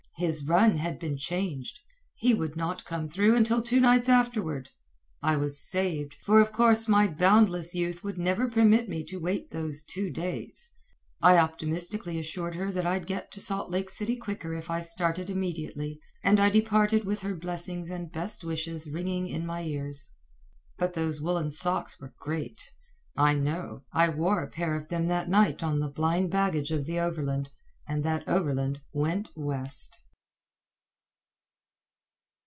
His run had been changed. He would not come through until two nights afterward. I was saved, for of course my boundless youth would never permit me to wait those two days. I optimistically assured her that I'd get to Salt Lake City quicker if I started immediately, and I departed with her blessings and best wishes ringing in my ears. But those woollen socks were great. I know. I wore a pair of them that night on the blind baggage of the overland, and that overland went west.